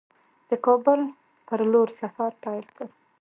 د کابل پر لور سفر پیل کړ.